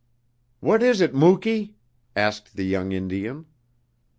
"What is it, Muky?" asked the young Indian.